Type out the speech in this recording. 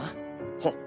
はっ。